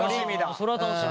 それは楽しみ。